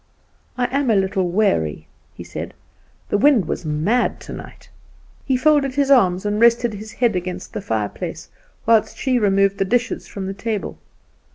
"I am a little weary," he said; "the wind was mad tonight." He folded his arms, and rested his head against the fireplace, whilst she removed the dishes from the table.